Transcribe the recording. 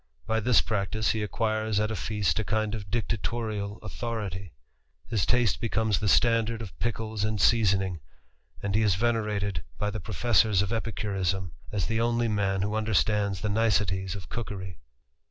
y this practice he acquires at a feast a kind of dictatorial ithority; his taste becomes the standard of pickles and asoning, and he is venerated by the professors of licurism, as the only man who understands the niceties of ►okery.